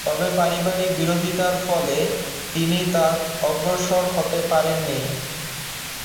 তবে পারিবারিক বিরোধিতার ফলে তিনি আর অগ্রসর হতে পারেননি।